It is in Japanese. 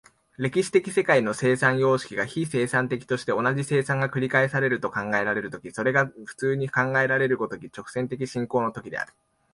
歴史的世界の生産様式が非生産的として、同じ生産が繰り返されると考えられる時、それが普通に考えられる如き直線的進行の時である。